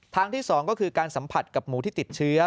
ทางที่๒ก็คือการสัมผัสกับหมูที่ติดเชื้อ